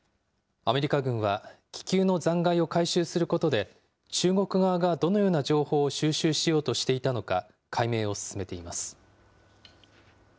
アメリカ軍は気球の残骸を回収することで、中国側がどのような情報を収集しようとしていたのか、解明を進めています。